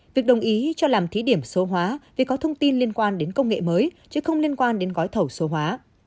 việc đồng ý cho làm thí điểm số hóa vì có thông tin liên quan đến công nghệ mới chứ không liên quan đến gói thầu số hóa